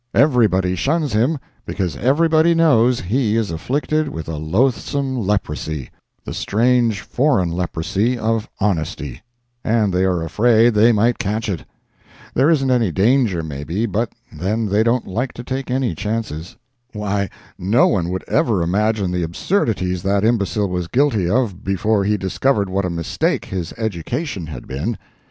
Everybody shuns him because everybody knows he is afflicted with a loathsome leprosy—the strange, foreign leprosy of honesty—and they are afraid they might catch it. There isn't any danger, maybe, but then they don't like to take any chances. Why, no one would ever imagine the absurdities that imbecile was guilty of before he discovered what a mistake his education had been.